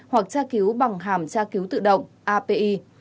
hoặc tra cứu bằng hàm tra cứu tự động api